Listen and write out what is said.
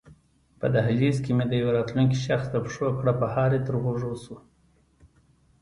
په دهلېز کې مې د یوه راتلونکي شخص د پښو کړپهاری تر غوږو شو.